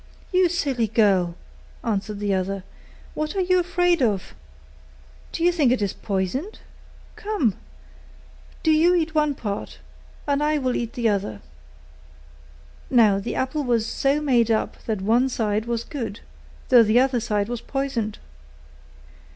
'You silly girl!' answered the other, 'what are you afraid of? Do you think it is poisoned? Come! do you eat one part, and I will eat the other.' Now the apple was so made up that one side was good, though the other side was poisoned.